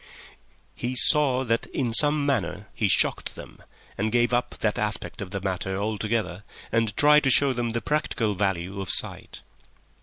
He saw that in some manner he shocked them, and gave up that aspect of the matter altogether, and tried to show them the practical value of sight.